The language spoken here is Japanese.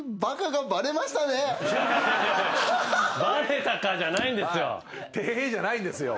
「テヘヘ」じゃないんですよ。